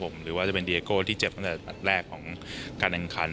ผมหรือว่าจะเป็นดีเอโก้ใช้เจ็บแรกของการทางคัน